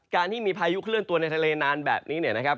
การที่มีพายุเคลื่อนตัวในทะเลนานแบบนี้เนี่ยนะครับ